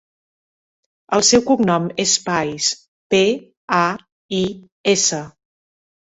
El seu cognom és Pais: pe, a, i, essa.